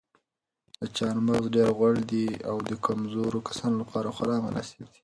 دا چهارمغز ډېر غوړ دي او د کمزورو کسانو لپاره خورا مناسب دي.